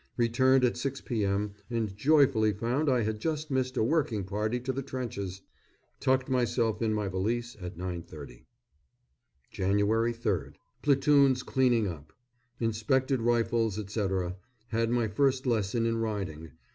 Returned at 6 p.m., and joyfully found I had just missed a working party to the trenches. Tucked myself in my valise at 9.30. Jan. 3rd. Platoons cleaning up. Inspected rifles, etc. Had my first lesson in riding.